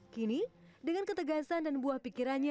kini dengan ketegasan dan buah pikirannya